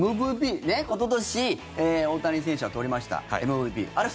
おととし大谷選手は取りました、ＭＶＰ。